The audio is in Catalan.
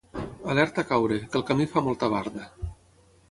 Alerta a caure, que el camí fa molta barda.